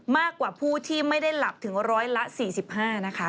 มากกว่าผู้ที่ไม่ได้หลับถึงร้อยละ๔๕นะคะ